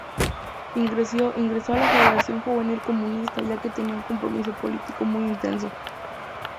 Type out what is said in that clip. Ingresó a la Federación Juvenil Comunista ya que tenía un compromiso político muy intenso.